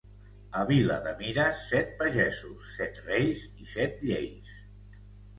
A Vilademires, set pagesos, set reis i set lleis.